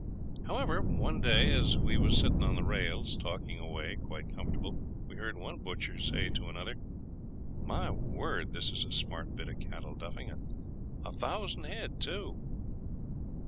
However, one day, as we was sitting on the rails, talking away quite comfortable, we heard one butcher say to another, 'My word, this is a smart bit of cattle duffing a thousand head too!'